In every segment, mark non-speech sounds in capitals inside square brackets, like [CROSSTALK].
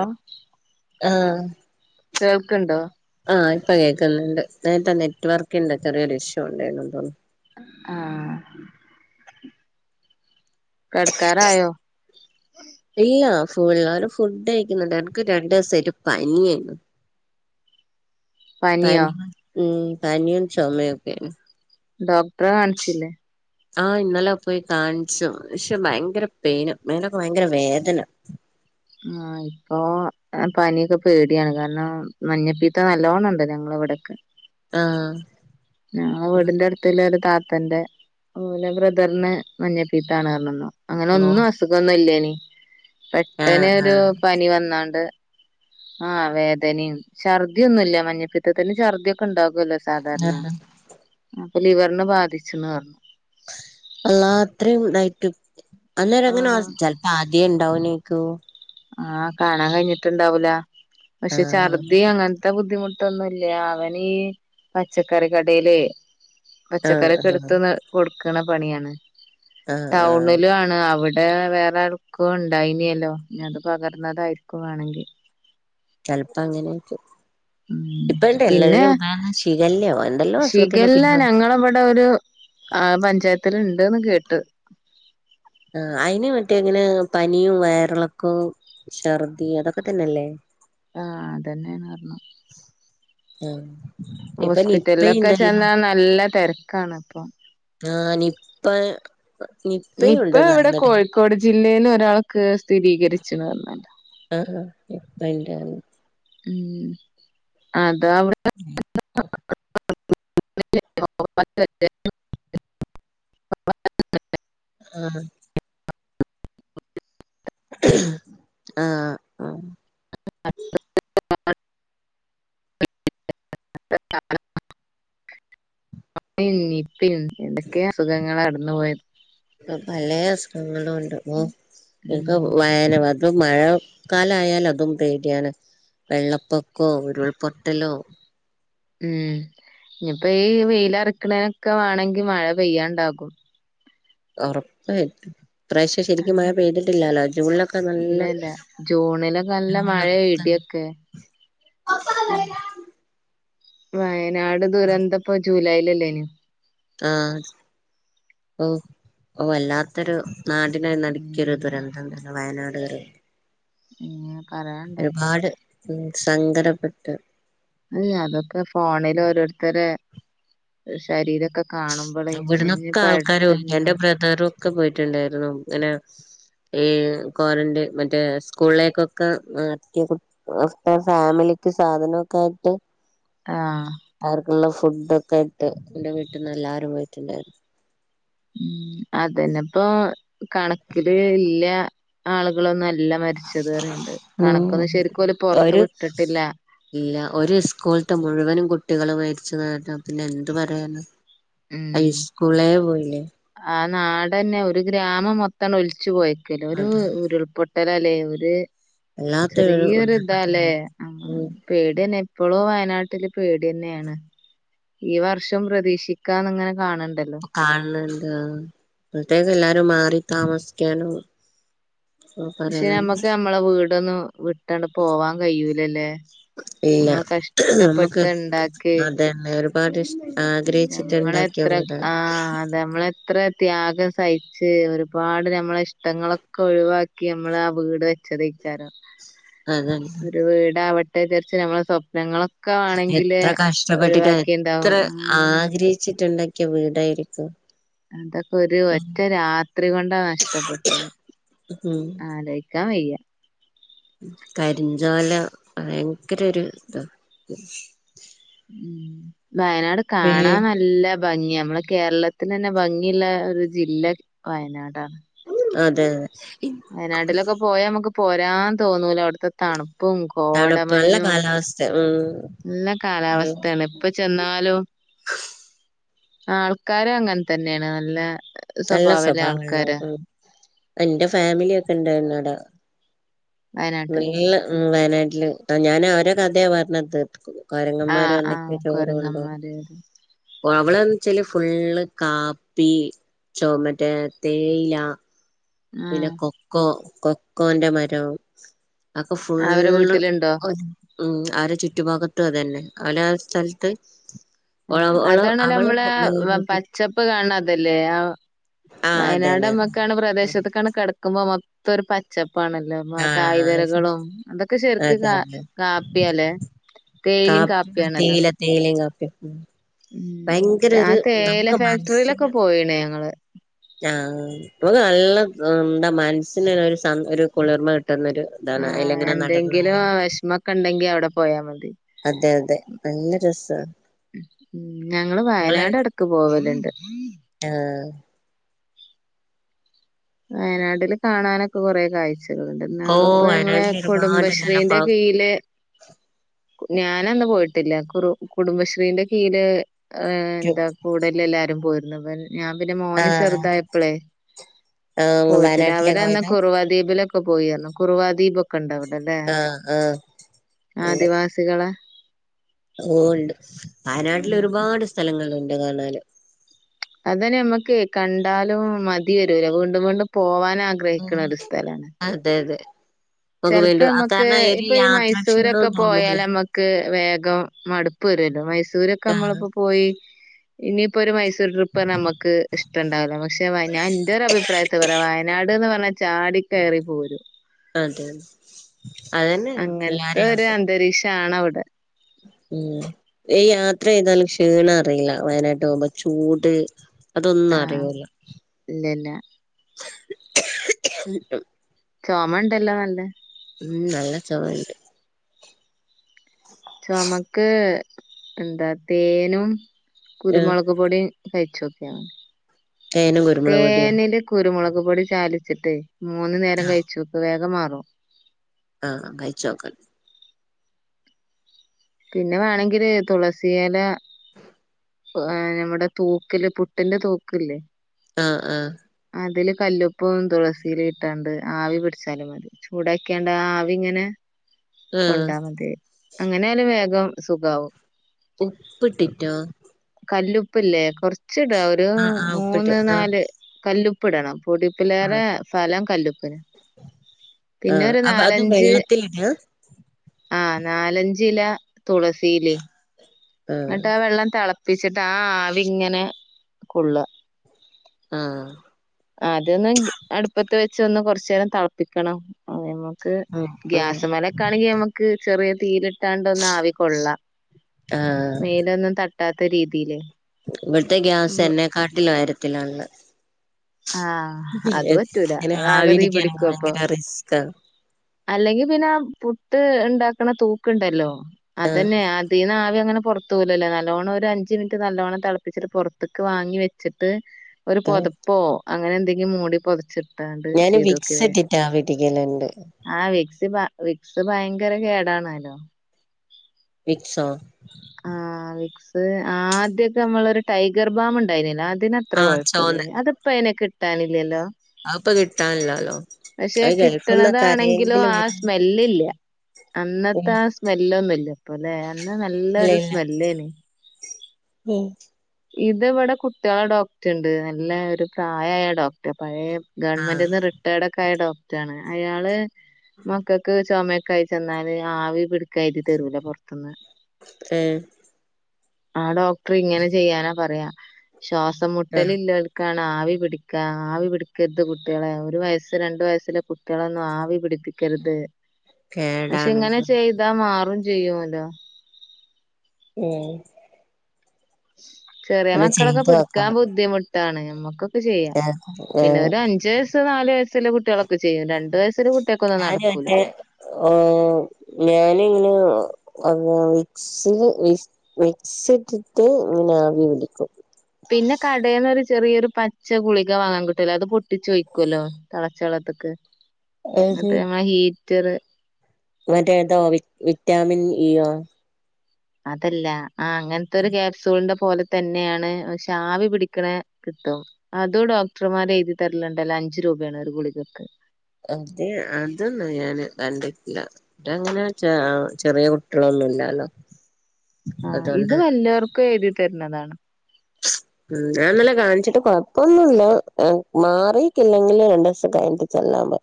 ആഹ് ആ കേൾക്ക്ണ്ടോ ആ ഇപ്പം കേക്ക്ന്നണ്ട് നേരത്തെ നെറ്റ് വർക്കിന്റെ ചെറിയൊരു ഇഷ്യൂ ഉണ്ടേര്ന്ന് തോന്ന് ആ കെടക്കാറായോ ഇല്ല ഫുള്ളേര് ഫുഡ് കഴിക്ക്ന്നോണ്ട് എനക്ക് രണ്ട് ദെസായിട്ട് പനി ഏനും. പനിയോ പനി ഉം പനിയും ചേമയെക്കെ ഡോക്ടറെ കാണിച്ചില്ലേ ആ ഇന്നലെ പോയി കാണിച്ചു പക്ഷേ ബയങ്കര പെയിനും മേലോക്കെ ബയങ്കര വേദന ആ ഇപ്പൊ പനിയൊക്കെ പേടിയാണ് കാരണം മഞ്ഞപ്പിത്തം നല്ലവോണം ഒണ്ട് ഞങ്ങള് അവടക്കേ ആ ഞങ്ങളെ വീടിന്റെ അട്ത്തില്ലേ ഒരു താ തന്റെ ഓലെ ബ്രദർനേ മഞ്ഞപ്പിത്തണ് അങ്ങനെ ഹലോ ഒന്നും അസുഖമൊന്നു ഇല്ലേനി പെട്ടനൊ ആഹ് ഒര് പനി വന്നാണ്ട് ആ വേദനേം, ഛർദ്ദി ഒന്നും ഇല്ല മഞ്ഞപ്പിത്തിന് ഛർദ്ദി ഒക്കെ ഒണ്ടാ ല്ലേ സാധാരണ ആഹ് അപ്പം ലിവർന് ബാധിച്ച്ന്ന് പറ അള്ളാ അത്രയും ഒണ്ടായിട്ടും അന്നേരം അങ്ങനെ ആ ആഹ് ചെലപ്പ ആദ്യേ ഉണ്ടാവെനേ ക്കൂ ആ കാണാൻ കഴിഞ്ഞ്ട്ട് ഇണ്ടാവൂല പക്ഷേ ആഹ് ഛർദി അങ്ങനത്തെ ബുദ്ധിമുട്ട് ഇതെന്നും ഇല്ല അവന് പച്ചക്കറി കടയില് ആഹ് പച്ചക്കറിയെക്കെ ആഹ് എടുത്ത് കൊട്ക്കാണാ പണിയാണ് ആഹ് ആഹ് ടൗണിലും ആണ് അവ ശികല്ല വേറെ ആർക്കോ ഉണ്ടായിനല്ലോ ഇനി അത് പകർന്നതായിരിക്കും വാേണെങ്കി ചെലപ്പോ അങ്ങനെയ്ക്കും ഉം ഇപ്പ ഇണ്ട് എല്ലരുടെം [UNINTELLIGIBLE] ശീഖല്ലയോ എ ശിഖല്ല ഞങ്ങളെ ഇവടെ ഒരു ആ പഞ്ചായത്തില് ഇണ്ട്ന്ന് കേട്ട് ആ അയിന് മറ്റേ എങ്ങനെ പനിയും വയറിളക്കവും ഛർദി അതൊക്കെ തന്നെയല്ലേ ആ അതന്നെയാന്ന് പറഞ്ഞു ആ ഇപ്പൊ ഹോസ്പിറ്റലിലൊക്കെ നിപ്പയുണ്ടല്ലോ ചെന്നാ നല്ല തെരക്കാണ് ഇപ്പോം ആ നിപ്പ നി നിപ്പ ഇവിടെ കോഴിക്കോട് ജില്ലയിന്ന് ഒരാൾക്ക് സ്ഥിരീകരിച്ചൂന്ന് പറഞ്ഞല്ലോ ആ എപ്പന്റാലി [UNINTELLIGIBLE] ഉം അതാ അവി [INAUDIBLE] [INAUDIBLE] [INAUDIBLE] ആ ആ ആ കൊറോണയും നിപ്പയും എന്തൊക്കെയാ അസുഖങ്ങളാ കടന്നു പോയത് ഇപ്പ പലയാ അസുഖം എല്ലടം ഒണ്ട് ഓ ഉം എനിക്ക് വയന അത് മഴ കാലായാലോ [UNINTELLIGIBLE] അതും പേടിയാണ് വെള്ളപ്പൊക്കോ ഉരുൾപൊട്ടലോ ഉം ഇനിപ്പോ ഈ വെയിലെറക്കണേനൊക്കെ വേണോങ്കി മഴ പെയ്യാണ്ടാക്കും ഒറപ്പായിട്ടും ഇപ്രാവശ്യം ശരിക്കും മഴ പെയ്തിട്ടില്ലാലോ ജൂണിലൊക്കെ നല്ല ഇല്ലല്ല ക്കെ [UNINTELLIGIBLE] വയനാട് ദുരന്തപ്പൊ ജൂലൈലല്ലേനു ആ ഓ ഓ വല്ലാത്തൊരു നാടിനെ നടിക്കയൊരു ഉം ദുരന്തം അത് വയനാടുകാര് ഏ പറയാനൊണ്ടോ ഉം ശങ്കരപ്പട്ട് അല്ല അതൊക്കെ ഫോണില് ഓരോരുത്തരെ ശരീരൊക്കെ കാണുമ്പോളേ നെഞ്ഞ് ഇവിടുന്നൊക്കെ ആൾക്കാര് പോയി പടഞ്ഞു എന്റെ ബ്രദറും ഒക്കെ പോയിട്ടുണ്ടായിരുന്നു അങ്ങനെ ഈ ക്വാറന്റയിൻ മറ്റേ സ്കൂളിലേക്കൊക്കെ [UNINTELLIGIBLE] ഫാമിലി ത്ത് സാധന ഒക്കെ ആയിട്ട് ആ ഉള്ള ഫുഡ് ഒക്കെ ഇട്ട് എന്റെ വീട്ടിന്ന് എല്ലാരും പോയിട്ടുണ്ടായിരുന്നു അതന്നെപ്പോ കണക്കില് ഇല്ല ആളുകളൊന്നും അൽ ജില്ല മരിച്ചത് അറിയണ്ട് ഉം കണക്കൊന്നും ശരിക്കും ഓല് പൊറത്ത് ഒരു വിട്ടിട്ടില്ല ഇല്ല ഒരു സ്കൂളത്തെ മുഴുവനും കുട്ടികളും മരിച്ചന്നുകേട്ട പിന്നെ എന്ത് പറയാനാ ഉം ആ നാടന്നെ ഒരു ഗ്രാമം മൊ ഇത്തണ ഒലിച്ച് പോയേക്കല് ഒരു അതെ ഉരുൾപൊട്ടലല്ലേ ഒര് വല്ലാത്തൊരു ചെറിയൊരു ഇതാല്ലേ ഉരുൾപൊട്ടല് നമ്മള് ഉം ഇപ്പൊ പേടിയന്നെ ഇപ്പളൂ വയനാട്ടില് പേടി തന്നെയാണ് ഈ വർഷം പ്രതീക്ഷിക്കാന്ന് ഇങ്ങനെ കാണണണ്ട് ആ അപ്പഴത്തേക്ക്‌ എല്ലാരും മാറി താമസിക്കാനോ പക്ഷെ നമ്മുക്ക് നമ്മളെ വീടൊന്നും വിട്ടണ്ട് പോവാൻ കഴിയൂലല്ലേ ഇല്ല നമ്മള് നമുക്ക് കഷ്ടപ്പെട്ട് ഇണ്ടാക്കി അതന്നെ ഒരുപാട് ഇഷ് ആഗ്രഹിച്ചിട്ടുണ്ടാക്കിയ നമ്മളെത്ര വീട് ആ അതെ നമ്മളെത്ര ത്യാഗം സഹിച്ച് ഒരുപാട് നമ്മളെ ഇഷ്ടങ്ങളൊക്കെ ഒഴിവാക്കി നമ്മൾ ആ വീട് വെച്ചതേ ചരോ അതന്നെ ഒരു വീടാവട്ടെ ചരിച്ച് നമ്മളെ സ്വപ്നങ്ങളും എത്ര കഷ്ടപ്പെട്ടിട്ട് എത്ര ആ ആഹ് ആഗ്രഹിച്ചിട്ടുണ്ടാക്കിയ വീടായിരിക്കും അതൊക്കെ ഒരു ഒറ്റ രാത്രി കൊണ്ടാ നഷ്ടപ്പെട്ടത്! ഉം ആലോയിക്കാൻ വയ്യ കരിഞ്ചോല ഭയങ്കര ഒരു ഇതാ ഉം വയനാട് പേ കാണാൻ നല്ല ഭംങ്ങിയാ നമ്മള കേരളത്തിന് തന്നെ ഭംങ്ങിയുള്ള ഒരു ജില്ല വയനാടാണ് അതെ അതെ വയനാട്ടിലൊക്ക പോയാ നമുക്ക് പോരാൻ തോന്നൂല അവിടത്ത ത്താണും പ്പും തണുപ്പ് നല്ല കോടമഞ്ഞും കാലാവസ്ഥ ഉം നല്ല കാലാവസ്ഥയാണ് ഇപ്പൊ ചെന്നാലും [INAUDIBLE] ആൾക്കാരും അങ്ങനെ തന്നെയാണ് നല്ല നല്ല സ്വഭാവല്ല സ്വഭാവം ഒള്ളവ ആൾക്കാരാ ഉം എന്റെ ഫാമിലി ഒക്ക ഒണ്ടാര്ന്നവിട വയനാട്ടില് നല്ല ഉം വയനാ ഇല്ല കേട്ടാ ഞാന് അവര കഥയാ പറഞ്ഞട്ത്തത് [UNINTELLIGIBLE] കൊരങ്ങൻമാര് ആഹ് ആഹ് വന്നിട്ട് ചോറ് കൊണ്ടോ കൊരങ്ങന്മാര് ഓ അവളെന്ന്ച്ചാല് ഫുള്ള് കാപ്പി ചൊ മറ്റേ തേയില പിന്നെ ആഹ് കൊക്കോ കൊക്കോൻ്റ മരം ആക്ക് അവരെ ഫുള്ള് വീട്ടിലുണ്ടോ ഉം അവരെ ചുറ്റു ഭാഗത്ത് അത് തന്നെ. കാലാവസ്ഥ സ്ഥലത്ത് ആ ഓള ഓള് അതാണല്ലോ അവള് നമ്മള വീട് വിട്ടിട്ട് പച്ചപ്പ് കാണതല്ലേ ആ ആഹ് വയനാട് അതന്നെ അമ്മക്കാണ് പ്രദേശത്തക്കാണ് കെടക്കുമ്പോ മൊത്തം ഒരു പച്ചപ്പ് പ്പാണല്ലോ മ ആഹ് തായ്‌വരകളും അതൊക്കെ ശെർക്ക് കാ കാപ്പിയല്ലേ കാപ്പിയാ തേയില തേയിലയും കാപ്പീം ഉം ഉം ഭയങ്കര ആ ഒരു തേയില നമുക്ക് ഫാക്ടറിയിലൊക്ക പോയിണേ ഞങ്ങള് ആഹ് നമുക്ക് നല്ല എന്താ മനസ്സിന് ഒര്ഒരു സന്ത് ഒരു കുളിർമ കി ട്ടന്നൊരു ഇതാണ് അയിലേ ആഹ് അങ്ങന എന്തെങ്കിലും നടന്നാല് വെഷമൊക്കെ ഇണ്ടെങ്കി അവിടെ പോയാ മതി അതെ അതെ നല്ല രസാണ്! ഉം ഞങ്ങള് വയനാട് എടക്ക് പോവലൊണ്ട് ആ വയനാട്ടില് കാണാനൊക്ക കൊറേ കാഴ്ച ചെയ്തതു കൊണ്ട് ഓ ഇന്നാണ് ഇപ്പ ഞങ്ങളെ വയനാട്ടിൽ ഒരുപാട് നല്ല കുടുംബശ്രീന്റെ പാർക്ക് കീഴിൽ കു ഞാനന്ന് പോയിട്ടില്ല കുറു കുടുംബശ്രീന്റെ കീല് ആ എന്താ കൂടലിലെല്ലാരും പോയിരുന്നു വെൻ ഞാൻ പിന്നെ ആ മോന് ചെറുതായപ്പളെ ആ പോയിട്ടില്ല വയനാട്ടിലൊക്കെ അവരന്നാ പോയതാ കുറവാദ്വീപിലൊക്ക് പ്പ പോയാരുന്നു കുറവാ ദീപൊക്ക ഒണ്ടവിടെ ആഹ് ആഹ് [UNINTELLIGIBLE] ഇതിലൊള്ളെ ഓ ഉണ്ട് വയനാട്ടില് ഉം ഒരുപാട് സ്ഥലങ്ങളുണ്ട് കാണാന് അതന്നെ നമ്മക്ക് കണ്ടാലും മതി വരൂല വീണ്ടും വീണ്ടും പോവാൻ ആഗ്രഹിക്കണ ഉം ഒരു സ്ഥലാണ് അതെ അതെ നമുക്ക് ചെലപ്പോ വീണ്ടും നമ്മക്ക് കാരണം ഒരു ഇപ്പൊ ഈ മൈസൂരൊക്കെ യാത്രാക്ഷീണോന്ന് പോയാൽ തോന്നൂല നമ്മക്ക് വേഗ ക്ക മടുപ്പ് വരുഅല്ലോ മൈസൂരക്ക ആ നമ്മളിപ്പൊ പോയി ഇനിപ്പൊര് മൈസ് ട്രിപ്പാണ് നമക്ക് ഇഷ്ടണ്ടാവില്ല പക്ഷെ വയനാ എന്റെ ഒരു അഭിപ്രായത്തിൽ പറയാ വയനാട് എന്ന് പറഞ്ഞാൽ ചാടി കയറി പോരും അതെതെ അതന്നെ അങ്ങനത്തെ എല്ലാരെയും ഒരു അവസ്ഥ അന്തരീക്ഷാണ് അവിടെ [INAUDIBLE] ഉം യാത്ര ചെയ്താൽ ക്ഷീണം അറിയില്ല വയനാട്ട് പോകുമ്പോ ചൂട് അതൊന്നും ആഹ് അറിയൂല്ല ഇല്ലല്ല ചൊമ ഉണ്ടല്ലോ നല്ലേ ഉം നല്ല ചൊമണ്ട് ചൊമക്ക് എന്താ തേനും ആഹ് കുരുമുളക് പൊടീം കഴിച്ചോക്കിയാ മതി തേനും കുരുമുളക് പൊടിയോ തേനിന്റെ കുരുമുളക് ക് പൊടി ചാലിച്ചിട്ടേ മൂന്നു നേരം കഴിച്ചോക്ക് വേഗം മാറും ആഹ് കഴിച്ച് നോക്കാം പിന്നെ വേണെങ്കില് തുളസിയില ങേ നമ്മുടെ തൂക്കില് പുട്ടിന്റെ തൂക്കല്ലേ ആഹ് ആഹ് അതില് കല്ലുപ്പം തുളസിലട്ടാണ്ട് ആവി പിടിച്ചാലും മതി ചൂടാക്കിയണ്ട് ആവി ഇങ്ങനെ ആഹ് കൊണ്ടാ മതി അങ്ങനെയാൽ വേഗം സുഖവും. ഉപ്പിട്ടിറ്റോ? ഉപ്പല്ലേ കൊറച്ചിടാ ഒരു ആഹ് ആഹ് ഉപ്പിട്ട് മൂന്ന് ആഹ് നാല് കല്ലുപ്പ് ഇടണം പൊടിപ്പിലേറെ ആഹ് ഫലം കല്ലുപ്പിന്. പിന്നെ ആഹ് ഒരു അപ്പൊ അത് നാലഞ്ച് വെള്ളത്തിലിടാ ആഹ നാലഞ്ചില തുളസിയിലേ ആഹ് എന്നിട്ട് ആ വെള്ളം തിളപ്പിച്ചിട്ട് ആ ആവിങ്ങനെ കൊള്ള ആഹ് അതൊന്നും അടുപ്പത്ത് വെച്ച് ഒന്ന് കൊറച്ചേരം തെളപ്പിക്കണം. ക്ക് ഉം ഉം ഗ്യാസമലക്കെണെങ്കിൽ നമുക്ക് ചെറിയ തീയില് ത്താണ്ടൊന്നും ആവി കൊള്ളാം ആഹ് മേലൊന്നും തട്ടാത്ത രീതില് ഇവിടുത്തെ ഗ്യാസ് എന്നെ കാട്ടില ഉയരത്തിലാല് ആഹ് അത് പറ്റൂല ങ്ങനെ അത് ആകെ തീ ആവിരിക്കാന പിടിക്കും അപ്പൊ ഭയങ്കര റിസ്കാണ്. അല്ലെങ്കി പിന്നെ പുട്ട് ഉണ്ടാക്കണ തൂക്കുണ്ടല്ലോ ആഹ് അതന്നെ അതിൽന്ന് ആവി അങ്ങനെ പുറത്ത് പോല്ലല്ലേ നല്ലോണ്ണം ഒരു അഞ്ച് മിനിറ്റ് നല്ലവണ്ണം തിളപ്പിച്ചട്ട് പുറത്ത്ക്ക് വാങ്ങി വെച്ചിട്ട് ഒരു ആഹ് പൊതപ്പോ അങ്ങനെ എന്തെങ്കും മൂടി പൊതച്ച ഞാന് വിക്സ്ട്ടിട്ട് ആവിട്ക്കലണ്ട്. ആഹ് വിക്സ് വിക്സ് ഭയങ്കര കേടാണല്ലോ വിക്സോ ആ വിക്സ് ആദ്യൊക്കെ നമ്മളൊരു ടൈഗർ ബാം ഉണ്ടായിന്നില്ലേ അതിന് അത്ര ആഹ് ചോന്ന കുഴപ്പില്ല അത്പ്പോ അയന് കിട്ടാനില്ലല്ലോ? അത്പ്പൊ കിട്ടാനില്ലാലോ പക്ഷെ അത് ഗൾഫ്ന്നൊക്കെ കിട്ടണതാണെങ്കിലും ആരെങ്കിലും ആ വരും സ്മെല്ലില്ല. ഉം അന്നത്തെ ആ സ്മെല്ലൊന്നുംല്ലപ്പൊ അല്ലെ അന്ന നല്ല ഇല്ല ഇല്ല സ്മെല്ലേനെ ഉം ഇത് ഇവിടെ കുട്ടികളെ ഡോക്ടർ ഉണ്ട് നല്ല ഒരു പ്രായായ ഡോക്ടർ പഴയ ആഹ് ഗവൺമെന്റ്ന്ന് റിട്ടയർഡ ഒക്കെ ആയ ഡോക്ടറാണ് അയാള് മക്കൾക്ക് ചുമ കായി ചെന്നാല് ആവി പിടുക്കാന് എഴുതിരൊലെ പുറത്തുന്ന്. ഏഹ് ആ ഡോക്ടർ ഇങ്ങനെ ചെയ്യാനാ പറയാ ശ്വാസം മുട്ടല് ആഹ് ഇല്ലോൽക്കാണ് ആവി പിടിക്കാ ആവി പിടിക്കരുത് കുട്ടികളെ ഒരു വയസ്സ് രണ്ടണ്ട് വയസ്സിലെ കുട്ടികളെ ഒന്നും ആവി പിടിക്ക ക്കരുത് പക്ഷെ കേടാണ് ഇങ്ങനെ ചെയ്താ മാറും ചെയ്യുല്ലോ ഉം ചെറിയ ഒന്ന് മക്കളൊക്കെ ചെയ്ത് പിടിക്കാൻ നോക്കണം ബുദ്ധിമു ട്ടാണ് നമ്മക്കൊക്കെ ചെയ്യാം പിന്നെ ഏഹ് ഒരു അഞ്ച് വയസ്സ് നാല് വയസുള്ള കുട്ടികളൊക്കെ ചെയ്യും രണ്ട വയ ഞാനറ്റ് ഓ ഞാന ഇങ്ങനെ ഒന്നാ വിക്സി വിക്സ് ഇട്ടിട്ട് ഇങ്ങനെ ആവി പിടിക്കും. പിന്നെ കടയിന്നൊരു ചെറിയൊരു പച്ച ഗുളിക വാങ്ങാൻ കിട്ടുവല്ലോ അത് പൊട്ടിച്ചുയ്ക്കല്ലോ തെളച്ചള ള്ളത്ത്ക്ക് ഏത് എന്നിട്ട്മ്മ ഹീറ്ററ് മറ്റേതോ വി വിറ്റാമിൻ ഇയോ അതല്ല ആ അങ്ങനത്തെ ഒരു കായാപ്സൂളിന്റെ പോലെ തന്നെയാണ് പക്ഷെ ആവി പിടിക്കണ അത് ഡോക്ടർമാരെ എഴുതി തരലുണ്ടാല്ലോ അഞ്ചു രൂപയാണ് ഒരു ഗുളികൾക്ക്. അത് അതൊന്നും ഞാന് കണ്ടിട്ടില്ല. ഞനങ്ങനെആഹ് ചെറിയ കുട്ടികളൊന്നും ലലോ ആഹ്, ഇത് വല്യോർക്കും എഴുതി തരുന്നതാണ്. [INAUDIBLE] ഉം ഞാനിന്നല്ലെ കാണിച്ചിട്ട് കൊഴപ്പൊന്നുല്ല, ഏഹ് മാറിട്ടില്ലെങ്കില് രണ്ട് ദിവസം കഴിഞ്ഞിട്ട് ചെല്ലാ [INAUDIBLE]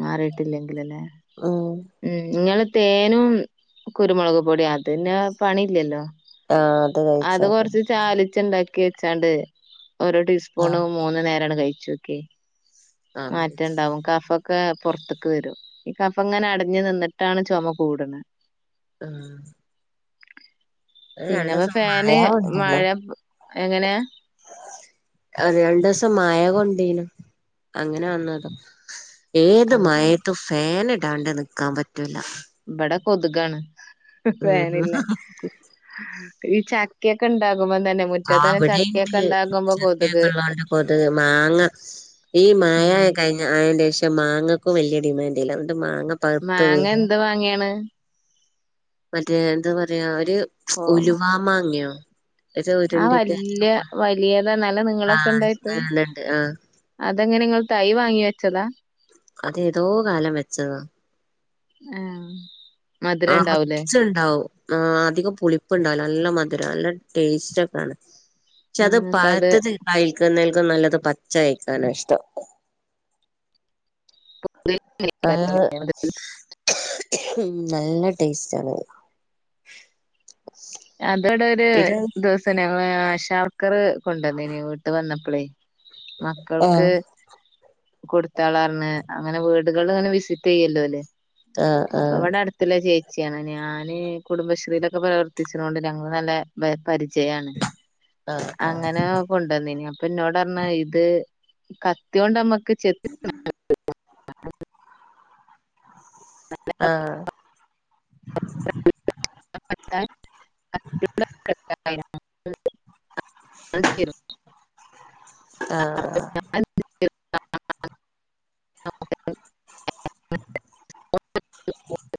മാറിയിട്ടില്ലെങ്കില് ലെ, ഉം ഹ്മ്മ് ഇങ്ങള് തേനും കുരുമുളക് പൊടിയും അതന്നെ പണിയില്ലല്ലോ ആഹ് അത് കഴിച്ചോക്ക് കൊറച്ച് ചാലിച്ച്ണ്ടാക്കി ക്കിച്ചാണ്ട് ഓരോ ആഹ് ടീസ്പൂണും മൂന്ന് നേരാണ്ട് കഴിച്ചോക്കി ആഹ് മാറ്റണ്ടാവും കഫ ഒക്കെ പൊറത്ത്ക്ക് വരും, ഈ കഫം ഇങ്ങനെ അടഞ്ഞ് നിന്നിട്ടാണ് ചുമ കൂട്ണത് ആഹ് അത് പിന്നെപ്പം രണ്ടൂസം മഴ ഫാന് കൊണ്ടീനു മഴ, എങ്ങനെ? അത് രണ്ടൂസം മഴകൊണ്ട് ണ്ടിനു അങ്ങനെ വന്നതാ. ഏത് ആഹ് മഴയത്തും ഫാന് ട്ടാൻണ്ട് നിക്കാൻ പറ്റൂല ഇവിടെ കൊതുകാണ് ഉം ഫേനില്ല. ഈ ചാ [UNINTELLIGIBLE] ആ ഇവിടെയ്ണ്ട്, ചക്കെ കൊതുക് [UNINTELLIGIBLE] മാങ്ങ ഈ മാങ്ങ ഉം ആഹ് കഴിഞ്ഞ അയിന്റെഷം മാങ്ങക്കും വലിയ ഡിമാൻടില്ല, ഇവിടുത്തെ മാങ്ങ പഴുത്ത് മാങ്ങ വികാ എന്ത് മാങ്ങയാണ് മറ്റേ എന്താ പറയാ ഒര് കോമാ ഉലുവാ മാങ്ങയോ ആ വല്ല്യ വലിയതാ നല്ല നീളൊക്കെ ആഹ് ഇണ്ടായിട്ട് വെള്ളണ്ട് ആഹ് അതെങ്ങനെ നിങ്ങൾ തൈ വാങ്ങി വെച്ചതാ അതെതോ കാലം വെച്ചതാ ആഹ്. മധുരം ഇണ്ടാവൂലേ നറച്ചുണ്ടാവും ആഹ് അധികം പുളിപ്പ്ണ്ടാവൂല നല്ല മ ത് രാ, നല്ല ടേസ്റ്റൊക്കാണ്. പക്ഷെ അത് നിങ്ങക്കത് പഴത്ത്ന്ന് ഇണ്ടായി നിൽക്കു ന്നത് നല്ലത് പച്ച കഴിക്കാനാ ഇഷ്ടം. ആഹ് [INAUDIBLE] ഹ്മ്മ് നല്ല ടേസ്റ്റാനത്. അതോടൊ ഒര് ദിവസം ഞങ്ങള് ആഷാവർക്കറ് കൊണ്ടന്നിനി വീട്ട് വന്നപ്പളേ മക്കൾക്ക് ആഹ് കൊടുത്താളറ്ന്നെ അങ്ങനെ വീടുകള് അങ്ങനെ വിസിറ്റയ്യല്ലോലെ ആഹ് അപ്പൊ ആഹ് ഇവിടെ അട്ത്ത്ള്ള ചേച്ചിയാണ് ഞാന് കുടുംബശ്രീയിലൊക്കെ പ്രവർ എത്തിച്ച്നോണ്ട് ഞങ്ങള് നല്ലെ പരിചയാണ്. ആഹ് ആഹ് അങ്ങനെ കൊണ്ടന്നീനി അപ്പം ഇന്നോടറഞ്ഞെ ഇത് കത്തിയോണ്ട് നമ്മക്ക് ചെത്തി [UNINTELLIGIBLE] [INAUDIBLE] ആഹ് [INAUDIBLE] [UNINTELLIGIBLE] [UNINTELLIGIBLE] ആഹ്, ആഹ് [INAUDIBLE]